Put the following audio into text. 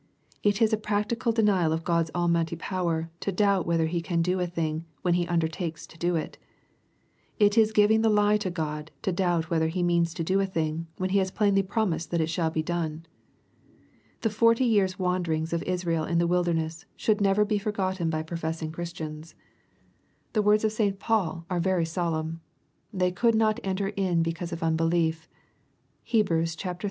It is a practical denial of God's Almighty power to doubt whether He can do a thing, when He undertakes to do it. — It is giving the lie to God to doubt whether He means to do a thing, when He has plainly promised that it shall be done. — The forty years wanderings of Israel in the wilderness, should never be forgotten by professing Christians. Tho words of St 20 EIPOSITOBT THOUGHTS. Paul are very solemn :" They could not enter in be cause of unbelief/' (Heb. iii. 19.)